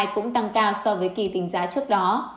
cũng tăng cao so với kỳ tính giá trước đó